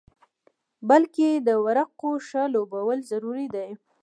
بلکې د ورقو ښه لوبول ضروري دي.